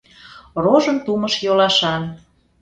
Рожын тумыш йолашан.